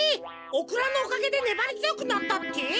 オクラのおかげでねばりづよくなったって？